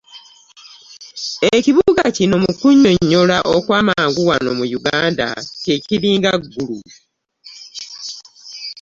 Ekibuga kino mu kukunnyonnyola okw'amangu wano mu Yuganda kye kiringa Gulu.